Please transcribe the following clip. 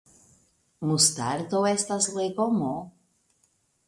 Mustardo estas legomo.